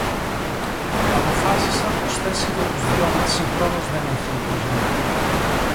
Αποφάσισα πως θέση για τους δυο μας συγχρόνως δεν έχει η κουζίνα